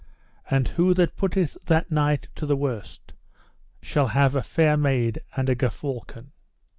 And who that putteth that knight to the worse shall have a fair maid and a gerfalcon.